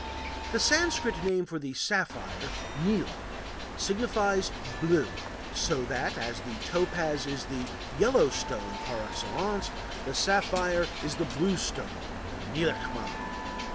The Sanskrit name for the sapphire, nîla, signifies "blue," so that, as the topaz is the "yellow stone" par excellence, the sapphire is the blue stone (nilaçman).